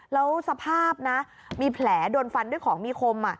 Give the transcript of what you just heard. แล้วสภาพนะมีแผลโดนฟันด้วยของมีคม